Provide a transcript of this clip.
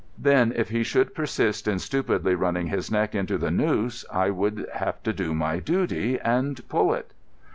Then, if he should persist in stupidly running his neck into the noose, I would have to do my duty and pull it.